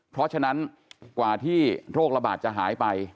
เพราะฉะนั้นกว่าที่โรคระบาดจะหายไป